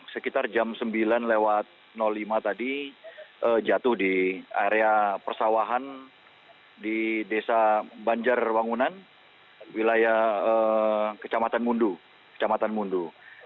sekitar jam sembilan lewat lima tadi jatuh di area persawahan di desa banjarwangunan wilayah kecamatan mundu